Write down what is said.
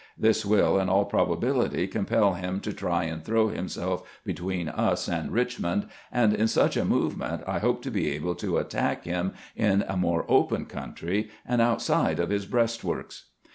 This will, in all probability, compel him to try and throw himself between us and Richmond, and in such a movement I hope to be able to attack him in a more open country, and outside of his breastworks."